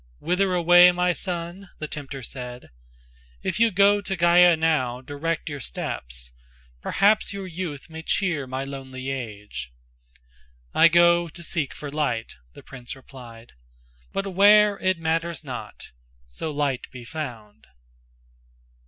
"Whither away, my son?" the tempter said, "If you to Gaya now direct your steps, Perhaps your youth may cheer my lonely age." "I go to seek for light," the prince replied, "But where it matters not, so light be found."